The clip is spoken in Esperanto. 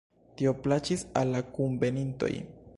Tio plaĉis al la kunvenintoj.